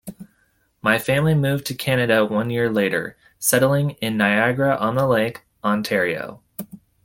His family moved to Canada one year later, settling in Niagara-on-the-Lake, Ontario.